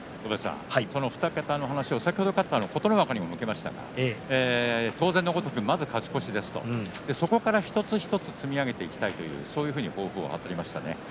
２桁への話を先ほど勝った琴ノ若にも向けましたが東西のごとくまず勝ち越しですとそこから一つ一つ積み上げていきたいと抱負を語りました。